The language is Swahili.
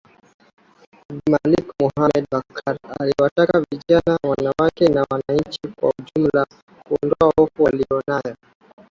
Abdulmalik Mohamed Bakar aliwataka vijana wanawake na wananchi kwa ujumla kuondoa hofu waliyonayo